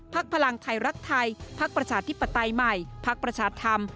พลังไทยรักไทยพักประชาธิปไตยใหม่พักประชาธรรม